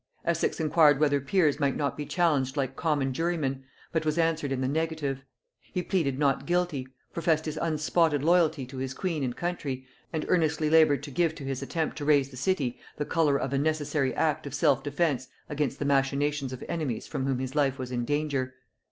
Essex inquired whether peers might not be challenged like common jurymen, but was answered in the negative. He pleaded Not guilty; professed his unspotted loyalty to his queen and country, and earnestly labored to give to his attempt to raise the city the color of a necessary act of self defence against the machinations of enemies from whom his life was in danger.